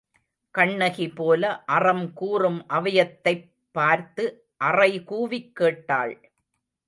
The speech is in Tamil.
கண்ணகி போல அறம் கூறும் அவையத் தைப் பார்த்து அறைகூவிக் கேட்டாள்.